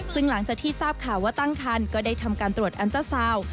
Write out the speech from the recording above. ซึ่งหลังจากที่ทราบข่าวว่าตั้งคันก็ได้ทำการตรวจอันเจ้าสาว